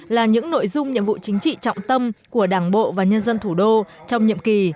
là những nội dung nhiệm vụ chính trị trọng tâm của đảng bộ và nhân dân thủ đô trong nhiệm kỳ